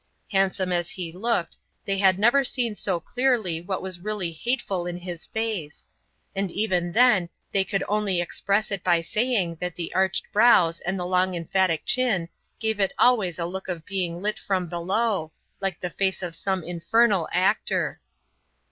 Handsome as he looked, they had never seen so clearly what was really hateful in his face; and even then they could only express it by saying that the arched brows and the long emphatic chin gave it always a look of being lit from below, like the face of some infernal actor.